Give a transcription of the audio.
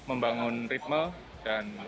membangun ritme dan